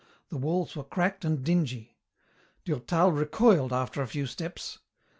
The walls were cracked and dingy. Durtal recoiled after a few steps.